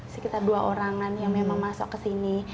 sekitar dua orangan yang memang masuk ke sini